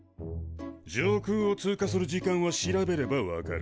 上空を通過する時間は調べれば分かる。